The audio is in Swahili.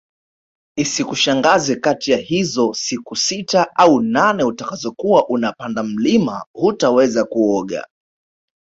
Isikushangaze kati ya hizo siku sita au nane utakazo kuwa unapanda mlima hutaweza kuoga